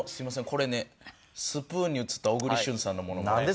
これねスプーンに映った小栗旬さんのモノマネなんです。